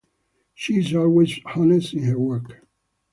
She is always honest in her work.